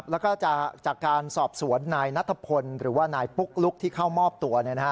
แล้วก็จากการสอบสวนนายนัทพลหรือว่านายปุ๊กลุ๊กที่เข้ามอบตัว